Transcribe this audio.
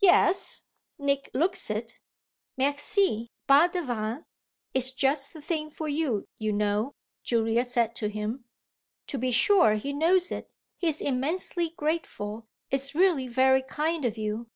"Yes, Nick looks it. Merci, pas de vin. It's just the thing for you, you know," Julia said to him. "To be sure he knows it. He's immensely grateful. It's really very kind of you."